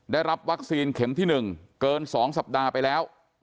ได้รับวัคซีนเข็มที่๑เกิน๒สัปดาห์ไปแล้ว